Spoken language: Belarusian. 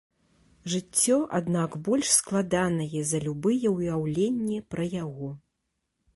Жыццё, аднак, больш складанае за любыя ўяўленні пра яго.